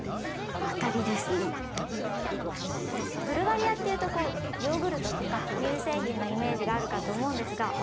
ブルガリアっていうとこうヨーグルトとか乳製品のイメージがあるかと思うんですが。